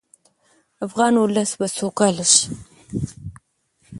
افغان ولس به سوکاله شي.